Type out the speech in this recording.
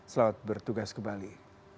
selamat bertugas kembali